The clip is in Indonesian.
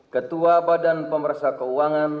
ketua badan pemersa keuangan